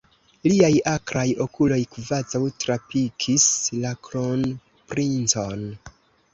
Liaj akraj okuloj kvazaŭ trapikis la kronprincon.